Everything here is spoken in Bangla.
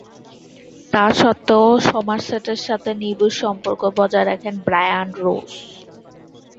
তাস্বত্ত্বেও সমারসেটের সাথে নিবিড় সম্পর্ক বজায় রাখেন ব্রায়ান রোজ।